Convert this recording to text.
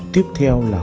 tiếp theo là khuẩn đậu